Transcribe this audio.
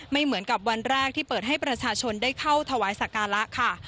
ไม่เหมือนกับวันแรกที่เปิดให้ประชาชนได้เข้าถวายสักการะค่ะ